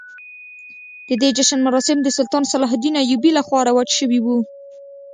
د دې جشن مراسم د سلطان صلاح الدین ایوبي لخوا رواج شوي وو.